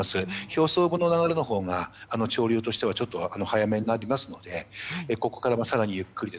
表層の流れのほうが潮流としてはちょっと速めになりますのでここから更にゆっくり。